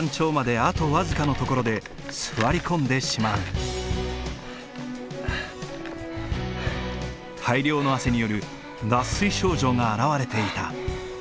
大量の汗による脱水症状が現れていた。